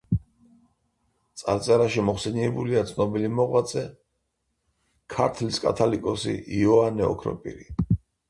წარწერაში მოხსენიებულია ცნობილი მოღვაწე ქართლის კათალიკოსი იოანე ოქროპირი.